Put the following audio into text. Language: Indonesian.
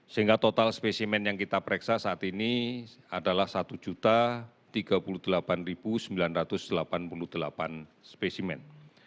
sehingga total spesimen yang kita pereksa saat ini adalah satu tiga puluh delapan sembilan ratus delapan puluh delapan spesimen